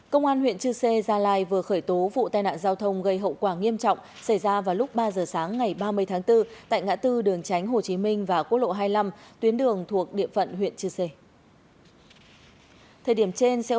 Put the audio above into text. công an huyện chư sê gia lai vừa khởi tố vụ tai nạn giao thông gây hậu quả nghiêm trọng xảy ra vào lúc ba giờ sáng ngày ba mươi tháng bốn tại ngã tư đường tránh hồ chí minh và quốc lộ hai mươi năm tuyến đường thuộc địa phận huyện chư sê